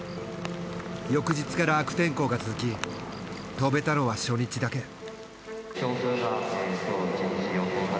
翌日から悪天候が続き飛べたのは初日だけ。